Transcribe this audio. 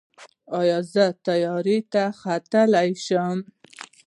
ایا زه طیارې ته وختلی شم؟